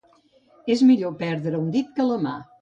És millor perdre un dit que la mà.